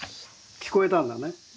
聞こえたんだね。